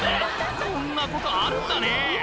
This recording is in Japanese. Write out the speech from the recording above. こんなことあるんだね